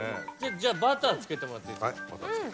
じゃあバターつけてもらっていいですか。